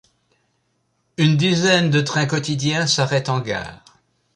Une dizaine de trains quotidiens s'arrêtent en gare.